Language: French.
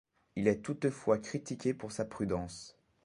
Il est toutefois critiqué pour sa prudence.